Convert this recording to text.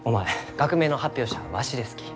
学名の発表者はわしですき。